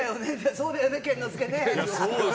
そうだよね、健之介ね。